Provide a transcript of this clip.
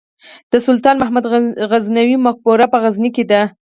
د سلطان محمود غزنوي مقبره په غزني کې ده